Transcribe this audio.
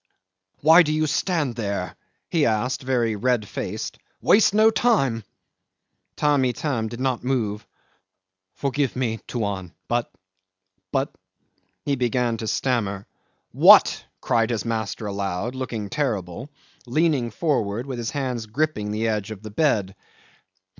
"Why do you stand here?" he asked very red faced. "Waste no time." Tamb' Itam did not move. "Forgive me, Tuan, but ... but," he began to stammer. "What?" cried his master aloud, looking terrible, leaning forward with his hands gripping the edge of the bed.